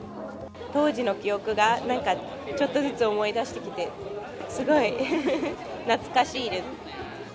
当時の記憶がなんかちょっとずつ思い出してきて、すごい、懐かしいです。